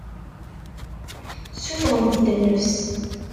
Ssuffɣent-d nnefs.